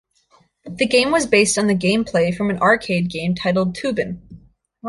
The game was based on the game play from an arcade game titled "Toobin'".